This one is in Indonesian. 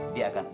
dia akan uangnya